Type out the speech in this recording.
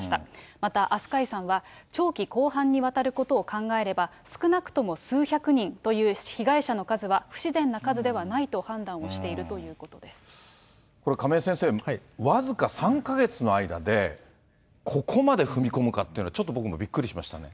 また飛鳥井さんは、長期広範にわたることを考えれば、少なくとも数百人という被害者の数は不自然な数ではないと判断をこれ、亀井先生、僅か３か月の間で、ここまで踏み込むかっていうのはちょっと僕もびっくりしましたね。